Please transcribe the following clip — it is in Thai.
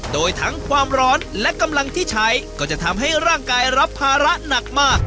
โดยทั้งความร้อนและกำลังที่ใช้ก็จะทำให้ร่างกายรับภาระหนักมาก